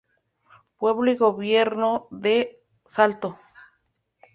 Pueblo y gobierno de Salto".